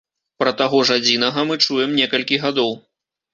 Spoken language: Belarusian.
Пра таго ж адзінага мы чуем некалькі гадоў.